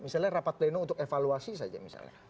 misalnya rapat pleno untuk evaluasi saja misalnya